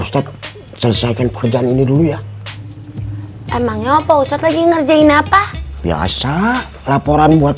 selesaikan pekerjaan ini dulu ya emangnya apa usah lagi ngerjain apa biasa laporan buat